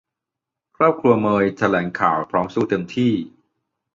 ครอบครัวเมยแถลงข่าวพร้อมสู้เต็มที่